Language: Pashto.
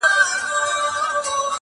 • دا خطر به قبلوي چي محوه کیږي -